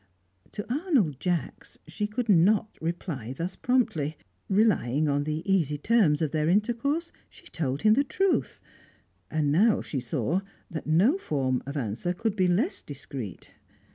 To Arnold Jacks she could not reply thus promptly. Relying on the easy terms of their intercourse, she told him the truth; and now she saw that no form of answer could be less discreet.